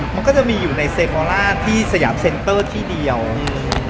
มันก็จะมีอยู่ในเซโคล่าที่สยามเซ็นเตอร์ที่เดียวอืม